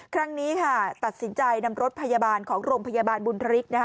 ครั้งนี้ค่ะตัดสินใจนำรถพยาบาลของโรงพยาบาลบุญธริกนะคะ